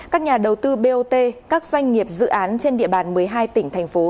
các nhà đầu tư bot các doanh nghiệp dự án trên địa bàn một mươi hai tỉnh thành phố